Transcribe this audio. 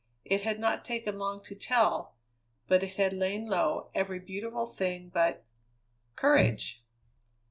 It had not taken long to tell, but it had lain low every beautiful thing but courage!